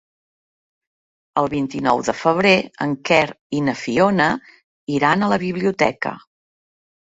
El vint-i-nou de febrer en Quer i na Fiona iran a la biblioteca.